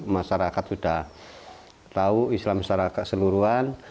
masyarakat sudah tahu islam masyarakat seluruhan